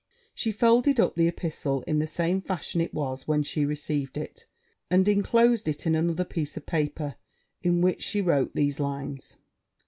She folded up the epistle in the same fashion it was when she received it, and inclosed it in another piece of paper; in which she wrote these lines.